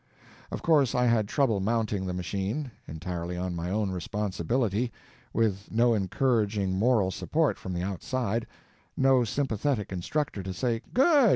Of course I had trouble mounting the machine, entirely on my own responsibility, with no encouraging moral support from the outside, no sympathetic instructor to say, "Good!